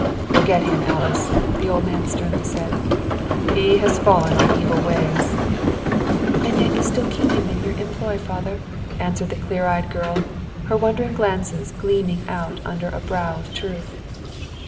"Forget him, Alice," the old man sternly said. "He has fallen on evil ways." "And yet you still keep him in your employ, father?" answered the clear eyed girl, her wondering glances gleaming out under a brow of truth.